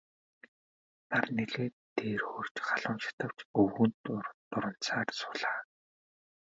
Нар нэлээд дээр хөөрч халуун шатавч өвгөн дурандсаар суулаа.